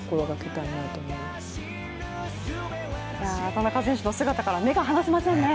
田中選手の姿から目が離せませんね。